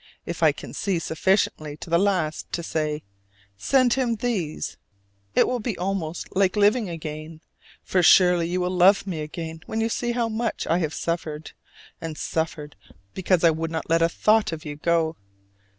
If I can see sufficiently at the last to say Send him these, it will be almost like living again: for surely you will love me again when you see how much I have suffered, and suffered because I would not let thought of you go.